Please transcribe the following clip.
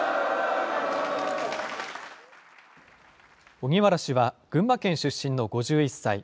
荻原氏は群馬県出身の５１歳。